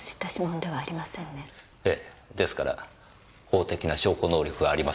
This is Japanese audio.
ええですから法的な証拠能力はありません。